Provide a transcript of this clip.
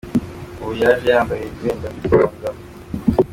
Uyu yaje yambaye ibendera ry'u Rwanda.